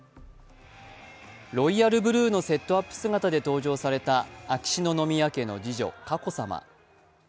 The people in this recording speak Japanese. ロイヤルブルーのセットアップ姿で登場された秋篠宮家の次女・佳子さま。